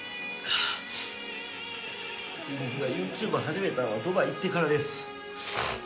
僕がユーチューバー始めたのは、ドバイに行ってからです。